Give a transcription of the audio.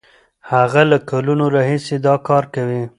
هغه له کلونو راهیسې دا کار کوي.